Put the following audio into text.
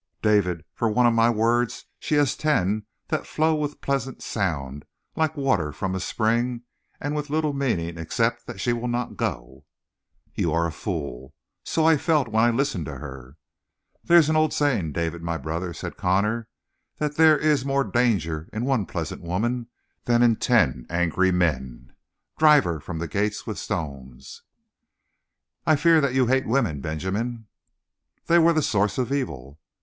"David, for one of my words she has ten that flow with pleasant sound like water from a spring, and with little meaning, except that she will not go." "You are a fool!" "So I felt when I listened to her." "There is an old saying, David, my brother," said Connor, "that there is more danger in one pleasant woman than in ten angry men. Drive her from the gate with stones!" "I fear that you hate women, Benjamin." "They were the source of evil."